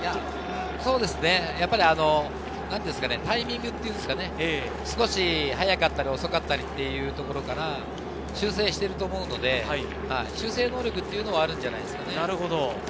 そうですね、なんて言うんですか、タイミングっていうんですか、少し早かったり遅かったりっていうところから修正していると思うので、修正能力っていうのもあるんじゃないですか。